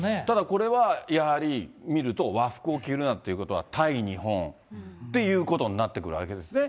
これはやはり見ると、和服を着るなということは、対日本っていうことになってくるわけですね。